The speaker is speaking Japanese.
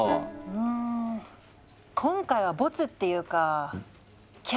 うん今回はボツっていうかキャッツね。